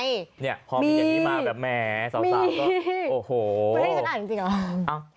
พอมีอย่างนี้มาแบบแหมสาวก็โอ้โหมันได้จัดอ่านจริงหรอ